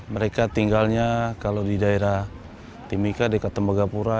mereka tinggalnya kalau di daerah timika dekat tembagapura